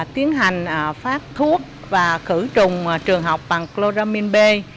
tiến hành phát thuốc và khử trùng trường học bằng chloramin b